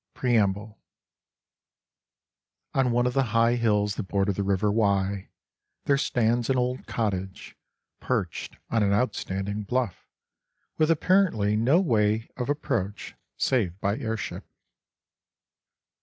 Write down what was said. I Preamble ON one of the high hills that border the river Wye, there stands an old cottage, perched on an outstanding bluff, with apparently no way of approach save by airship.